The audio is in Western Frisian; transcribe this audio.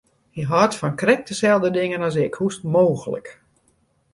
Hy hâldt fan krekt deselde dingen as ik, hoe is it mooglik!